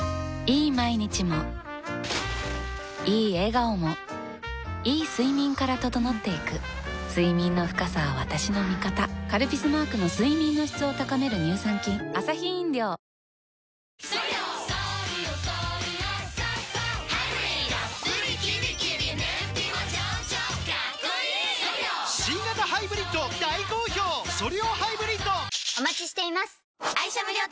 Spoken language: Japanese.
いい毎日もいい笑顔もいい睡眠から整っていく睡眠の深さは私の味方「カルピス」マークの睡眠の質を高める乳酸菌「キュキュット」あれ？